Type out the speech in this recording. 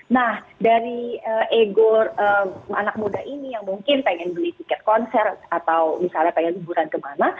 nah dari ego anak muda ini yang mungkin pengen beli tiket konser atau misalnya pengen liburan kemana